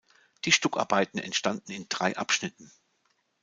Die Stuckarbeiten entstanden in drei Abschnitten.